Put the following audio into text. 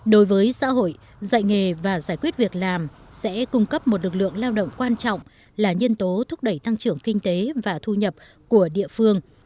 đối với xã hội dạy nghề và giải quyết việc làm sẽ cung cấp một lực lượng lao động quan trọng là nhân tố thúc đẩy tăng trưởng kinh tế và thu nhập của địa phương